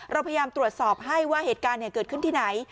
เราพยายามตรวจสอบให้ว่าเหตุการณ์เกิดขึ้นที่ไหน